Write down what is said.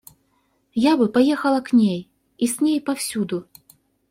Я бы поехала к ней и с ней повсюду.